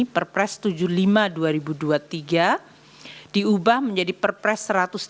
perpres tujuh puluh lima dua ribu dua puluh tiga diubah menjadi perpres satu ratus tiga puluh